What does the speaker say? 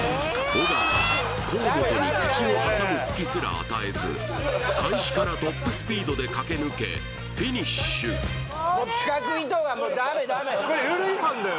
尾形河本に口を挟む隙すら与えず開始からトップスピードで駆け抜けフィニッシュこれルール違反だよ